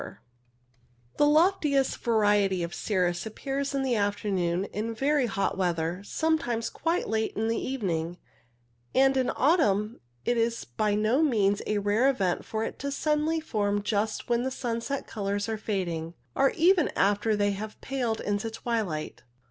o HIGH CIRRUS 31 The loftiest variety of cirrus appears in the afternoon in very hot weather, sometimes quite late in the evening ; and in autumn it is by no means a rare event for it to suddenly form just when the sunset colours are fading, or even after they have paled into twilight.